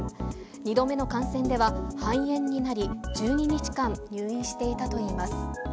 ２度目の感染では、肺炎になり、１２日間入院していたといいます。